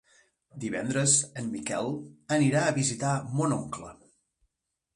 Divendres en Miquel anirà a visitar mon oncle.